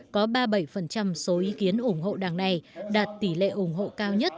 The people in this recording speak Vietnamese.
có ba mươi bảy số ý kiến ủng hộ đảng này đạt tỷ lệ ủng hộ cao nhất